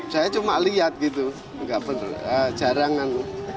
saya cuma lihat gitu jarang kan